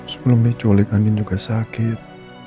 sebelum diculik angin juga sakit